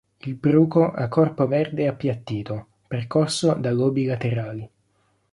Il bruco ha corpo verde e appiattito, percorso da lobi laterali.